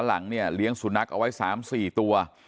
หลังเนี่ยเลี้ยงสุนัขเอาไว้๓๔ตัว